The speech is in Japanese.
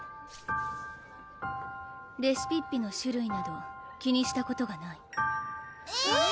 レシピッピの種類など気にしたことがないえっ？